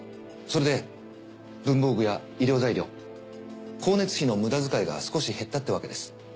それで文房具や医療材料光熱費の無駄遣いが少し減ったってわけです。